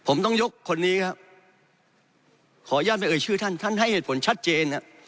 ผมต้องยกคนนี้ครับขออนุญาตไม่เอ่ยชื่อท่านท่านให้เหตุผลชัดเจน